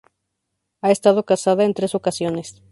Ha estado casada en tres ocasiones.